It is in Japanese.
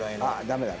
ダメだ。